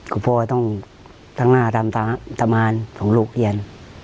ก็พ่อต้องตั้งหน้าทำตามานของลูกเรียน